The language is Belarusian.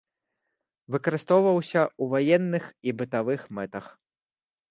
Выкарыстоўваўся ў ваенных і бытавых мэтах.